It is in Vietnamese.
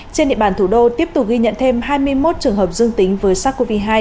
trên địa bàn thủ đô tiếp tục ghi nhận thêm hai mươi một trường hợp dương tính với sars cov hai